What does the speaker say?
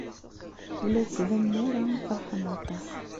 Ur la d-ttbanen ara feṛhen aṭas.